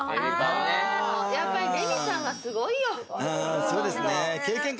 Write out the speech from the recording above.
やっぱりレミさんはすごいよ。